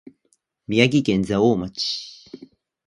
宮城県蔵王町